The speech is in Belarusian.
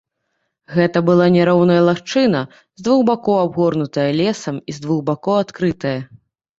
Гэта была няроўная лагчына, з двух бакоў абгорнутая лесам і з двух бакоў адкрытая.